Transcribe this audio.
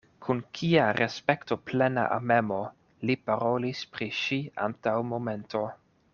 Kun kia respektoplena amemo li parolis pri ŝi antaŭ momento.